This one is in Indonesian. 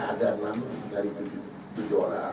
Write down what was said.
jenderal potensi tersangka baru ini dari enam saksi yang di cekali